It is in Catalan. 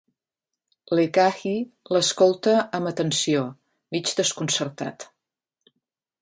L'Ekahi l'escolta amb atenció, mig desconcertat.